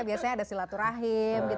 biasanya ada silaturahi